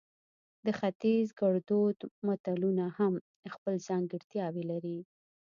د ختیز ګړدود متلونه هم خپل ځانګړتیاوې لري